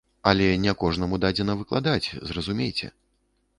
Але не кожнаму дадзена выкладаць, зразумейце.